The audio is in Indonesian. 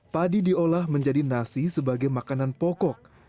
padi diolah menjadi nasi sebagai makanan pokok